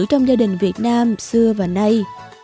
trong gia đình việt nam xưa và nay